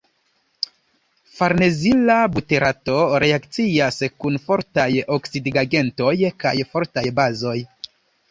Farnezila buterato reakcias kun fortaj oksidigagentoj kaj fortaj bazoj.